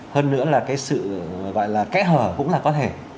hơn nữa là sự kẽ hở cũng là có thể